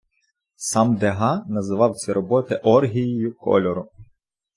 Сам Дега назвав ці роботи оргією кольору.